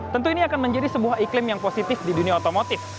tentu ini akan menjadi sebuah iklim yang positif di dunia otomotif